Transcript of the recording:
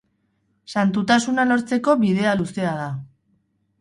Santutasuna lortzeko bidea luzea da.